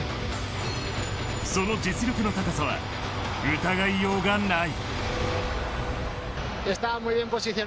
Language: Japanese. その実力の高さは疑いようがない。